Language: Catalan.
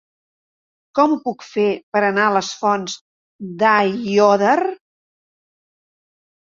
Com ho puc fer per anar a les Fonts d'Aiòder?